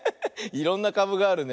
いろんなかぶがあるね。